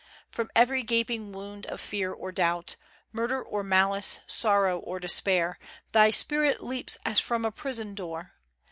From every gaping wound of fear or doubt, Murder or malice, sorrow or despair, Thy spirit leaps as from a prison door.